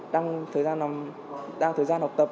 đang thời gian học tập